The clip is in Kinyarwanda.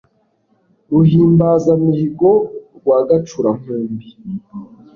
ruhimbaza-mihigo rwa gacura-nkumbi